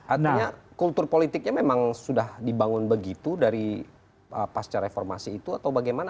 artinya kultur politiknya memang sudah dibangun begitu dari pasca reformasi itu atau bagaimana